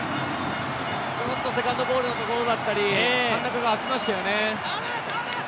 ちょっとセカンドボールのところだったり間隔あきましたね。